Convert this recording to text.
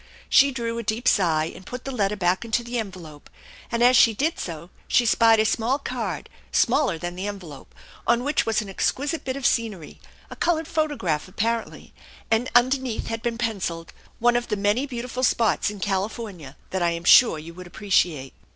She drew a deep sigh and put the letter back into the envelope, and ae she did so she spied a small card, smaller than the envelope, on which was an exquisite bit of scenery, a colored photograph, apparently, and underneath had been pencilled, " One of the many beau 12 177 178 THE ENCHANTED BARN tiful spots in California that I am sure you would appreciate.